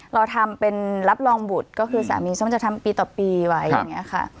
เราทำเป็นรับรองบุตรก็คือสามีส้มจะทำปีต่อปีไว้อย่างนี้ค่ะ